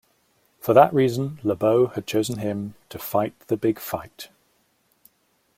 For that reason Le Beau had chosen him to fight the big fight.